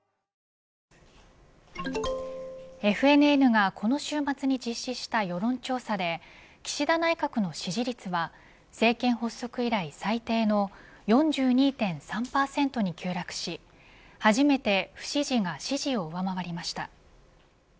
ＦＮＮがこの週末に実施した世論調査で岸田内閣の支持率は政権発足以来最低の４２．３％に急落し初めて不支持が支持を上回りました。